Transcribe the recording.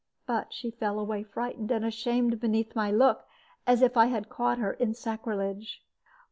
But she fell away frightened and ashamed beneath my look, as if I had caught her in sacrilege.